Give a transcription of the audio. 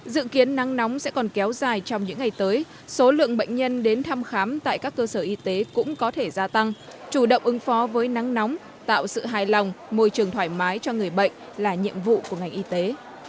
dự kiến nắng nóng sẽ còn kéo dài trong những ngày tới số lượng bệnh nhân đến thăm khám tại các cơ sở y tế cũng có thể gia tăng chủ động ứng phó với nắng nóng tạo sự hài lòng môi trường thoải mái cho người bệnh là nhiệm vụ của ngành y tế